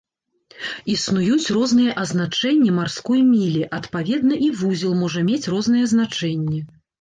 Існуюць розныя азначэнні марской мілі, адпаведна, і вузел можа мець розныя значэнні.